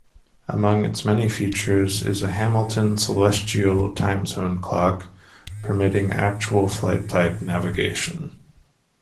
Among its many features is a Hamilton celestial time-zone clock permitting actual flight-type navigation.